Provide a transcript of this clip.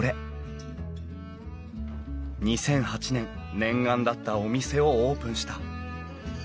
２００８年念願だったお店をオープンした。